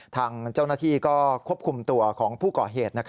ทางเจ้าหน้าที่ก็ควบคุมตัวของผู้ก่อเหตุ